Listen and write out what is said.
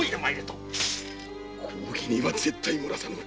公儀には絶対もらさぬ。